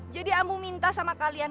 jadi ambu minta sama kalian